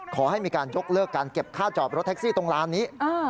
ขอให้มีการยกเลิกการเก็บค่าจอบรถแท็กซี่ตรงร้านนี้